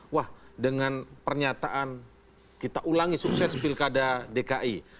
wah dengan pernyataan kita ulangi sukses pilkada dki